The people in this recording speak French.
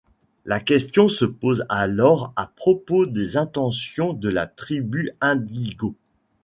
La question se pose alors à propos des intentions de la tribu Indigo.